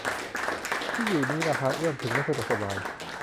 ที่อยู่นี้ราคาเอื้อมถึงและสะดวกสบาย